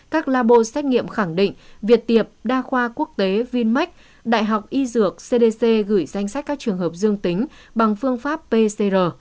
các labo xét nghiệm khẳng định việt tiệp đa khoa quốc tế vinmec đại học y dược cdc gửi danh sách các trường hợp dương tính bằng phương pháp pcr